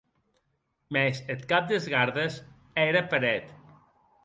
Mès eth cap des gardes ère per eth.